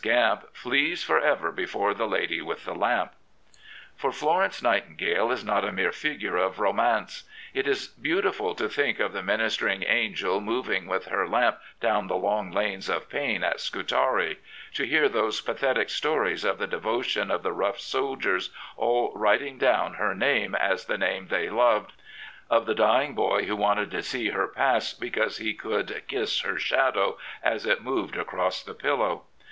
Gamp flees for ever before the lady with the lamp. For Florence Nightingale is not a mere figure of romance. It is beautiful to think of the ministering angel moving with her lamp down the long lanes of pain at Scutari, to hear those pathetic stories of the devotion of the rough soldiers all writing down her name as the name they loved, of the dying boy who wanted to see her pass because he could kiss her shadow as it moved across the pillow.